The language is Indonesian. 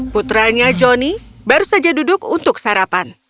putranya johnny baru saja duduk untuk sarapan